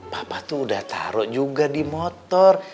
papa tuh udah taruh juga di motor